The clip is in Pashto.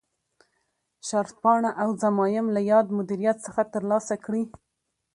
شرطپاڼه او ضمایم له یاد مدیریت څخه ترلاسه کړي.